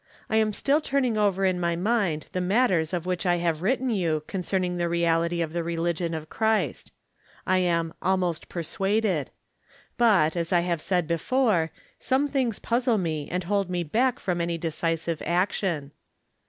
I am still turning over in my mind the matters of which I have written you concerning the reality of the religion of Christ. I am " almost persuaded ;" 72 From Different Standpoints. but, as I have said before, some tbings puzzle me and hold me back from any decisive action.